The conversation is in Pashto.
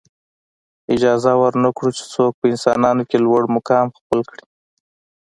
اجازه ورنه کړو چې څوک په انسانانو کې لوړ مقام خپل کړي.